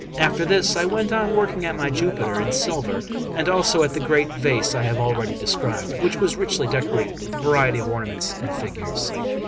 After this, I went on working at my Jupiter in silver, and also at the great vase I have already described, which was richly decorated with a variety of ornaments and figures.